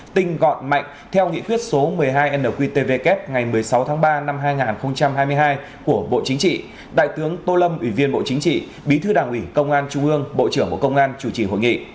tinh gọn mạnh theo nghị quyết số một mươi hai nqtvk ngày một mươi sáu tháng ba năm hai nghìn hai mươi hai của bộ chính trị đại tướng tô lâm ủy viên bộ chính trị bí thư đảng ủy công an trung ương bộ trưởng bộ công an chủ trì hội nghị